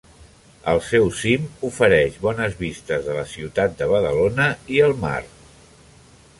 El seu cim ofereix bones vistes de la ciutat de Badalona i el mar.